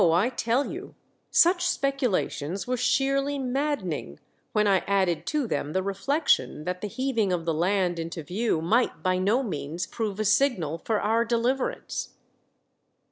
I tell you, such speculations were sheerly maddening when I added to them the reflection that the heaving of the land into view might by no means prove a signal for our deliverance.